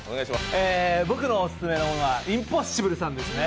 僕のオススメのものはインポッシブルさんですね。